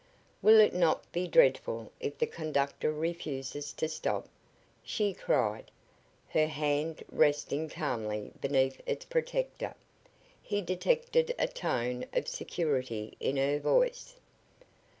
"Will it not be dreadful if the conductor refuses to stop?" she cried, her hand resting calmly beneath its protector. He detected a tone of security in her voice.